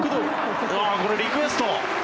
これ、リクエスト。